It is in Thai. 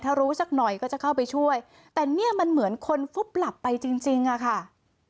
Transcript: ถ้ารู้สักหน่อยก็จะเข้าไปช่วยแต่เนี่ยมันเหมือนคนฟุบหลับไปจริงจริงอะค่ะ